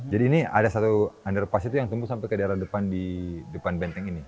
jadi ini ada satu underpass itu yang tembus sampai ke daerah depan benteng ini